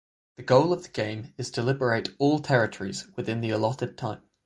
The goal of the game is to liberate all territories within the allotted time.